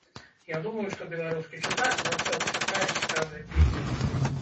Я думаю, што беларускі чытач заўсёды чакае цікавыя кнігі.